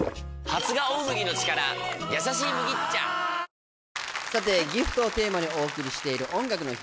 「ＧＩＦＴギフト」をテーマにお送りしている「音楽の日」。